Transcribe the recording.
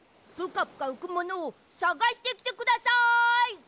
ぷかぷかうくものをさがしてきてください！